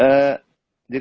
pastinya kan ada ya